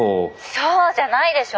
そうじゃないでしょ！